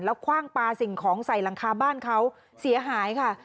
แล้วคว่างปลาสิ่งของใส่หลังคาบ้านเขาเสียหายค่ะ